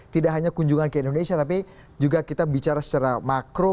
tidak hanya kunjungan ke indonesia tapi juga kita bicara secara makro